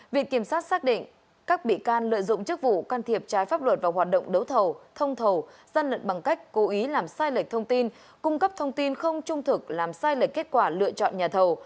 viện kiểm sát xác định các bị can lợi dụng chức vụ can thiệp trái pháp luật vào hoạt động đấu thầu thông thầu dân lận bằng cách cố ý làm sai lệch thông tin cung cấp thông tin không trung thực làm sai lệch kết quả lựa chọn nhà thầu